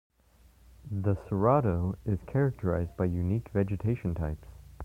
The Cerrado is characterized by unique vegetation types.